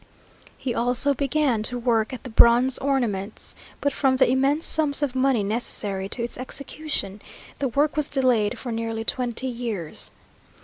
He also began to work at the bronze ornaments, but from the immense sums of money necessary to its execution, the work was delayed for nearly twenty years.